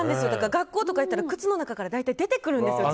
学校とか行ったら靴の中から出てくるんですよ